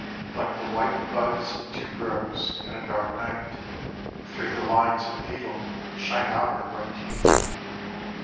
Like the white buds of tuberose in a dark night Through the lines of betel shine out her white teeth.